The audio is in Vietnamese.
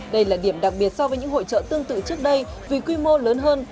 đây là điểm đặc biệt so với những hội trợ tương tự trước đây vì quy mô lớn hơn